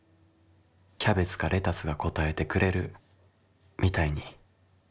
キャベツかレタスが答えてくれるみたいに」。